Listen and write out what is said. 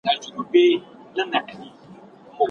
تېر کال هغه په خپلو زده کړو کي بريالی سو.